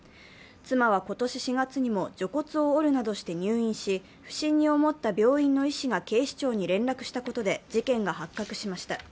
妻は今年４月にもろっ骨を折るなどして入院し、不審に思った病院の医師が警視庁に連絡したことで事件が発覚しました。